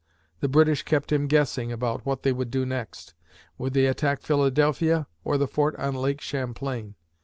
The British kept him guessing about what they would do next. Would they attack Philadelphia or the fort on Lake Champlain?